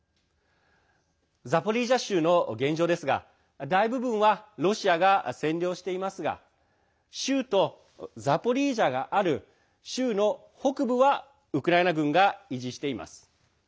ザポリージャ州の現状ですが大部分はロシアが占領していますが州都ザポリージャがある州の北部はウクライナ軍が維持しています。